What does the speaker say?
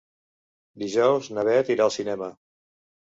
Dijous na Beth irà al cinema.